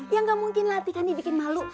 ya nggak mungkin lah atika nih bikin malu